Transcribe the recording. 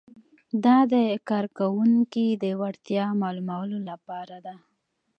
دا د کارکوونکي د وړتیا معلومولو لپاره ده.